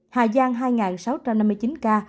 hà giang hai sáu trăm năm mươi chín ca